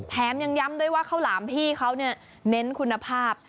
แถมยังย้ำด้วยว่าข้าวหลามพี่เขาเน้นคุณภาพ